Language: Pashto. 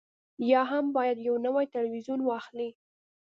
یا هم باید یو نوی تلویزیون واخلئ